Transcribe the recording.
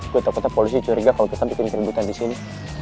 gue takutnya polisi curiga kalo kita bikin keributan disini